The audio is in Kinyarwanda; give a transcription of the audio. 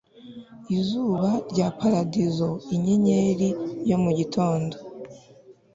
Izuba rya paradizo inyenyeri yo mu gitondo